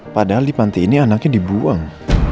padahal di panti ini anaknya dibuang